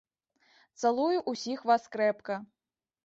Цалую ўсіх вас крэпка.